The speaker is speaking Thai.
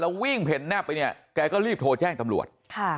วิ่งเห็นแนบไปเนี่ยแกก็รีบโทรแจ้งตำรวจ